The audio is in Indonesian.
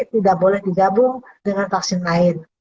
tidak boleh digabung dengan vaksin lain